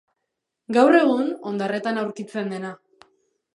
Gaur egun hondarretan aurkitzen dena.